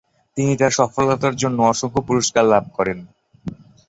তিনি তার সফলতার জন্য অসংখ্য পুরস্কার লাভ করেন।